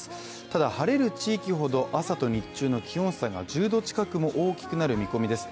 ただ晴れる地域ほど、朝と日中の気温差が１０度近くも大きくなる見込みです。